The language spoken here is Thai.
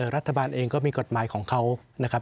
รัฐบาลเองก็มีกฎหมายของเขานะครับ